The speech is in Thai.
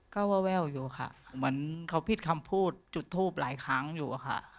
ก็แววอยู่ค่ะเหมือนเขาผิดคำพูดจุดทูปหลายครั้งอยู่อะค่ะ